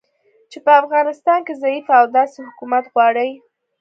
چې په افغانستان کې ضعیفه او داسې حکومت غواړي